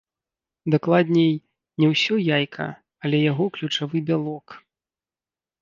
Дакладней, не ўсё яйка, але яго ключавы бялок.